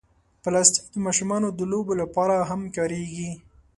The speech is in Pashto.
پلاستيک د ماشومانو د لوبو لپاره هم کارېږي.